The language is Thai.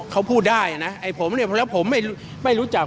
เขาพูดได้นะไอ้ผมเนี่ยแล้วผมไม่รู้จัก